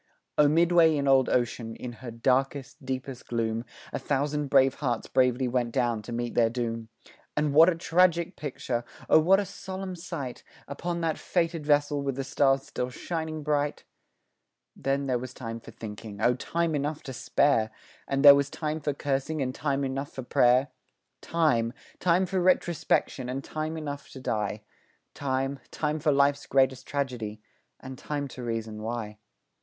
O midway in old ocean, in her darkest, deepest gloom, A thousand brave hearts bravely went down to meet their doom, And what a tragic picture! Oh, what a solemn sight Upon that fated vessel with the stars still shining bright! Then there was time for thinking O time enough to spare, And there was time for cursing and time enough for pray'r, Time, time for retrospection, and time enough to die, Time, time for life's great tragedy and time to reason why.